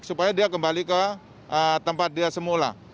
supaya dia kembali ke tempat dia semula